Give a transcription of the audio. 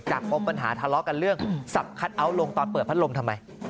ปมปัญหาทะเลาะกันเรื่องสับคัทเอาท์ลงตอนเปิดพัดลมทำไม